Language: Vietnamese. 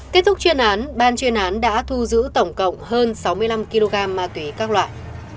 kết thúc chuyên án ban chuyên án đã thu giữ tổng cộng hơn sáu mươi năm kg ma túy các loại